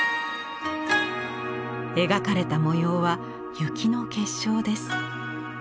描かれた模様は雪の結晶です。